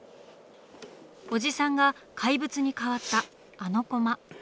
おじさんが怪物に変わったあのコマ。